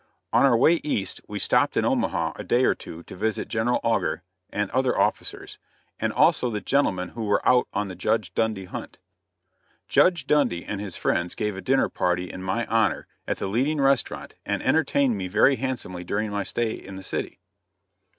On our way East we stopped in Omaha a day or two to visit General Augur and other officers, and also the gentlemen who were out on the Judge Dundy hunt. Judge Dundy and his friends gave a dinner party in my honor at the leading restaurant and entertained me very handsomely during my stay in the city.